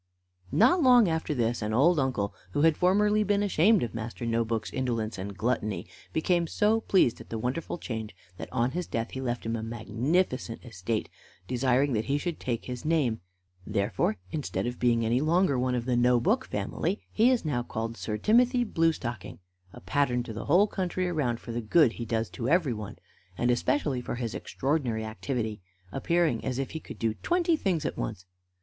Not long after this an old uncle, who had formerly been ashamed of Master No book's indolence and gluttony, became so pleased at the wonderful change that on his death he left him a magnificent estate, desiring that he should take his name; therefore, instead of being any longer one of the No book family, he is now called Sir Timothy Blue stocking, a pattern to the whole country around for the good he does to everyone, and especially for his extraordinary activity, appearing as if he could do twenty things at once.